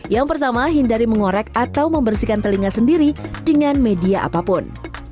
yang pertama hindari mengorek atau membersihkan telinga sendiri dengan media apapun